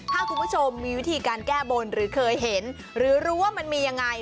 ถ้าคุณผู้ชมมีวิธีการแก้บนหรือเคยเห็นหรือรู้ว่ามันมียังไง